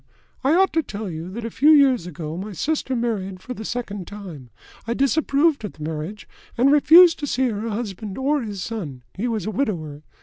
I ought to tell you, that a few years ago my sister married for the second time. I disapproved of the marriage, and refused to see her husband or his son he was a widower.